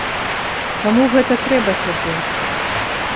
Каму гэта трэба цяпер?